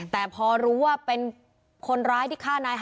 แต่ค่อนข้าง